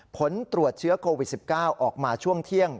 ผลตรวจเชื้อโควิด๑๙ออกมาช่วงเที่ยง